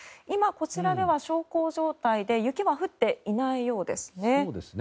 今、こちらでは小康状態で雪は降っていないようですね。